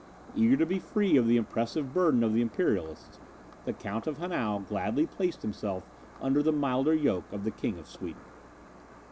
Eager to be free of the oppressive burden of the Imperialists, the Count of Hanau gladly placed himself under the milder yoke of the King of Sweden.